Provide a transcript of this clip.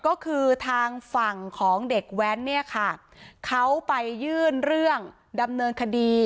ก็คือทางฝั่งของเด็กแว้นเนี่ยค่ะเขาไปยื่นเรื่องดำเนินคดี